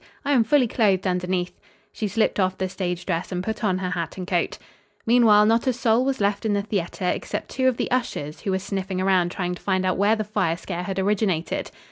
"I am fully clothed underneath." She slipped off the stage dress and put on her hat and coat. Meanwhile, not a soul was left in the theater except two of the ushers, who were sniffing around trying to find out where the fire scare had originated.